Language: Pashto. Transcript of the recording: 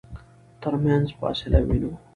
ترمنځ فاصله وينو.